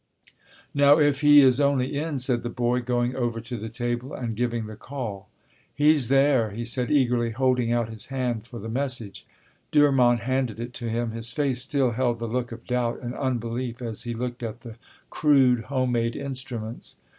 "Now if he is only in," said the boy, going over to the table and giving the call. "He's there," he said eagerly, holding out his hand for the message. Durmont handed it to him. His face still held the look of doubt and unbelief as he looked at the crude, home made instruments.